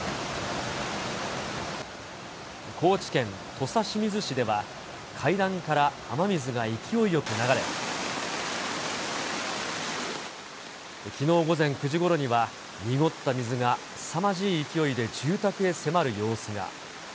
高知県土佐清水市では、階段から雨水が勢いよく流れ、きのう午前９時ごろには、濁った水がすさまじい勢いで住宅へ迫る様子が。